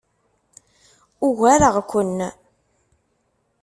Ugareɣ-ken.